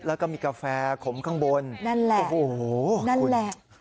แล้วก็มีกาแฟขมข้างบนโอ้โหคุณนั่นแหละ